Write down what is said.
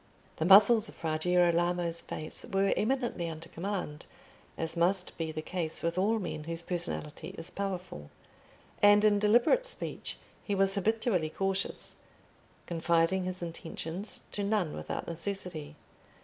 The muscles of Fra Girolamo's face were eminently under command, as must be the case with all men whose personality is powerful, and in deliberate speech he was habitually cautious, confiding his intentions to none without necessity.